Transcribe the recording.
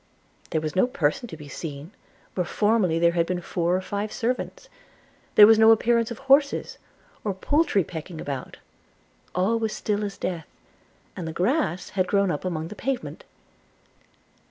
There was no person to be seen where formerly there had been four or five servants: there was no appearance of horses; no poultry pecking about; all was still as death, and the grass had grown up among the pavement.